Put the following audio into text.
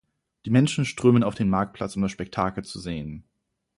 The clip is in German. Die Menschen strömen auf den Marktplatz, um das Spektakel zu sehen.